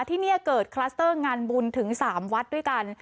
ที่นี่เกิดคลัสเตอร์งานบุญถึง๓วัดด้วยกัน